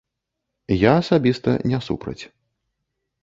Я асабіста не супраць.